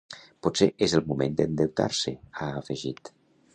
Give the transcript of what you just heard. Potser és el moment d’endeutar-se, ha afegit.